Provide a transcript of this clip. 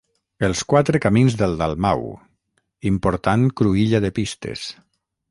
Els Quatre Camins del Dalmau, important cruïlla de pistes.